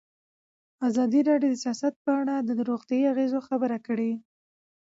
ازادي راډیو د سیاست په اړه د روغتیایي اغېزو خبره کړې.